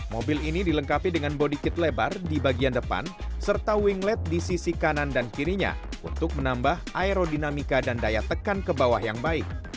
mobil ini dilengkapi dengan body kit lebar di bagian depan serta winglet di sisi kanan dan kirinya untuk menambah aerodinamika dan daya tekan ke bawah yang baik